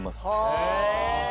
へえ。